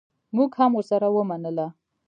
مونږ هم ورسره ومنله.